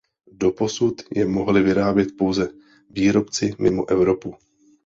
Doposud je mohly vyrábět pouze výrobci mimo Evropu.